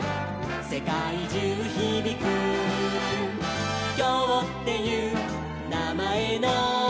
「せかいじゅうひびく」「きょうっていうなまえの」